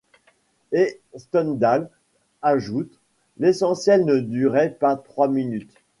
Et Stendhal ajoute «L'essentiel ne durait pas trois minutes.